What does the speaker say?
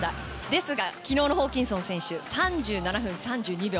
ですが昨日のホーキンソン選手は３７分３２秒。